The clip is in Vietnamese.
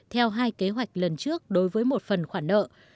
theo hai kế hoạch lần trước đối với một phần khoản nợ